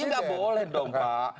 iya nggak boleh dong pak